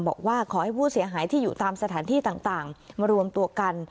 บอกว่าขอให้ผู้เสียหายที่อยู่ตามสถานที่ต่างมารวมตัวกัน